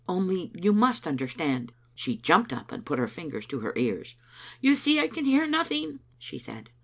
Only you must understand " She jumped up and put her fingers to her ears. "You see I can hear nothing," she said.